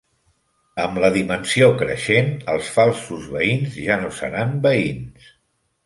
Amb la dimensió creixent, els falsos veïns ja no seran veïns.